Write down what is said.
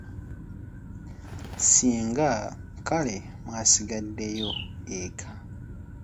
Ssinga kale mwasigaddeyo eka.